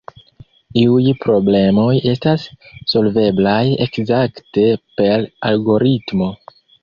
Iuj problemoj estas solveblaj ekzakte per algoritmo.